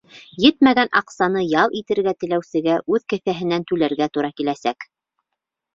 Етмәгән аҡсаны ял итергә теләүсегә үҙ кеҫәһенән түләргә тура киләсәк.